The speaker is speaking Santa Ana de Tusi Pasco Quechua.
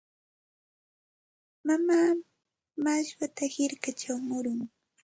Mamaa mashwata hirkachaw murun.